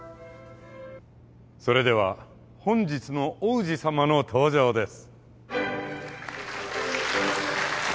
それでは本日の王子さまの登場です。